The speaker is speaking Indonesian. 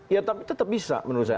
ya tetap bisa menurut saya